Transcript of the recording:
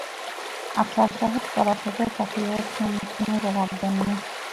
আফসার সাহেব কড়া চোখে তাকিয়েছেন-কোনো জবাব দেন নি।